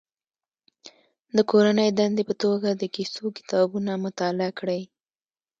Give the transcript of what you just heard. د کورنۍ دندې په توګه د کیسو کتابونه مطالعه کړي.